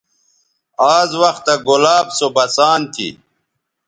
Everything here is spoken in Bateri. آز وختہ گلاب سو بسان تھی